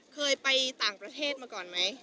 เคยไปต่างประเทศมาก่อนไหม